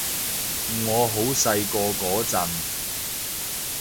我好細個嗰陣